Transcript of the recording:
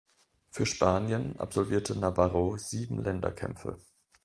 Für Spanien absolvierte Navarro sieben Länderkämpfe.